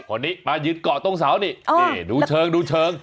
คนนี้มายืนเกาะตรงเสานี่นี่ดูเชิงดูเชิง